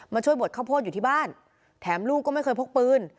ช่วยบดข้าวโพดอยู่ที่บ้านแถมลูกก็ไม่เคยพกปืน